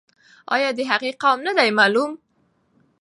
آیا د هغې قوم نه دی معلوم؟